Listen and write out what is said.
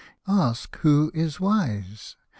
Ask, who is wise ?